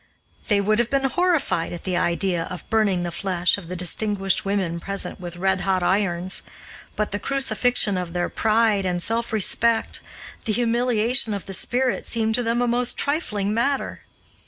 They would have been horrified at the idea of burning the flesh of the distinguished women present with red hot irons, but the crucifixion of their pride and self respect, the humiliation of the spirit, seemed to them a most trifling matter.